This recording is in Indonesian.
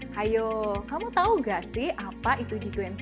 hayo kamu tahu gak sih apa itu g dua puluh